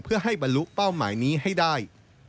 เพื่อให้บรรลุเป้าหมายนี้ให้ได้